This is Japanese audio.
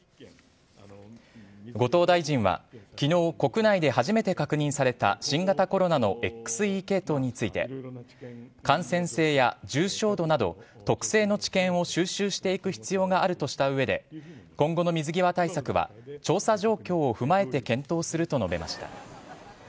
後藤大臣はきのう、国内で初めて確認された新型コロナのＸＥ系統について、感染性や重症度など、特性の知見を収集していく必要があるとしたうえで、今後の水際対策は、調査状況を踏まえて検討すると述べました。